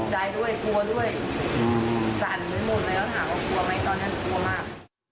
ใจด้วยกลัวด้วยสั่นไปหมดเลยแล้วถามว่ากลัวไหมตอนนั้นกลัวมาก